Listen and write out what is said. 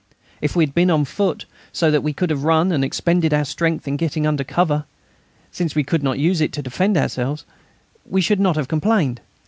If we had been on foot, so that we could have run and expended our strength in getting under cover since we could not use it to defend ourselves we should not have complained.